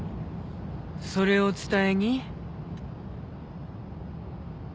それを伝えに？